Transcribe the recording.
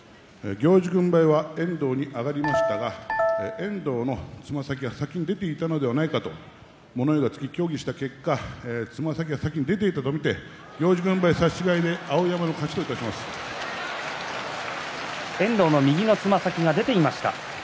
行司軍配は遠藤に上がりましたが遠藤のつま先が先に出ていたのではないかと物言いがつき、協議した結果つま先は先に出ていたと見て、行司軍配差し違えで遠藤右のつま先が出ていました。